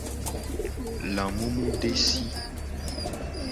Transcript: Lamumudesi.